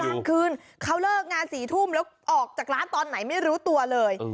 กลางคืนเขาเลิกงาน๔ทุ่มแล้วออกจากร้านตอนไหนไม่รู้ตัวเลย